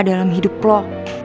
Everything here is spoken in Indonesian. dalam hidup lo